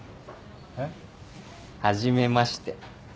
えっ？初めまして。